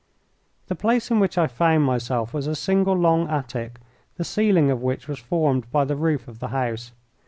The place in which I found myself was a single long attic, the ceiling of which was formed by the roof of the house.